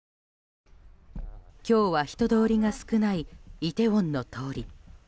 今日は人通りが少ないイテウォンの通り。